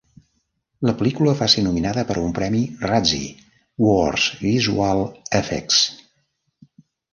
La pel·lícula va ser nominada per a un premi Razzie, Worst Visual Effects.